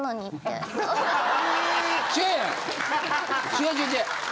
違う違う違う。